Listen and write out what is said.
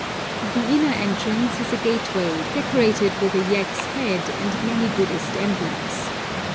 The inner entrance is a gateway decorated with a yak's head and many Buddhist emblems.